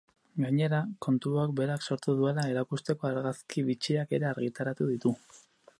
Gainera, kontua berak sortu duela erakusteko argazki bitxiak ere argitaratu ditu.